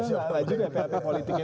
masya allah juga php politiknya